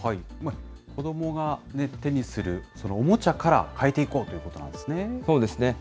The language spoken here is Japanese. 子どもが手にするおもちゃから変えていこうということなんでそうですね。